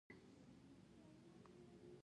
کروندګرو خپلواکي ترلاسه کړه او فیوډالیزم کمزوری شو.